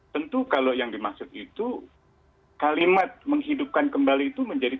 tentu kalau yang dimaksud itu kalimat menghidupkan kembali itu menjadi